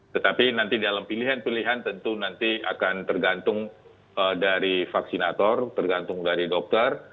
tetapi nanti dalam pilihan pilihan tentu nanti akan tergantung dari vaksinator tergantung dari dokter